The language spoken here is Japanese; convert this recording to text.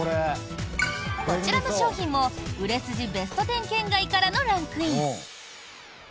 こちらの商品も売れ筋ベスト１０圏外からのランクイン。